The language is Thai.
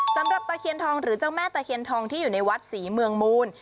ตะเคียนทองหรือเจ้าแม่ตะเคียนทองที่อยู่ในวัดศรีเมืองมูล